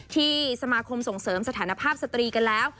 ที่สมาคมส่งเสริมสถานภาพสตรีกันแล้ว